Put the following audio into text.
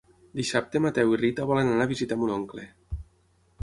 Dissabte en Mateu i na Rita volen anar a visitar mon oncle.